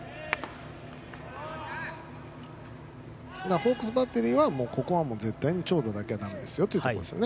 ホークスバッテリーはここは絶対に長打だけはだめですよというところですね。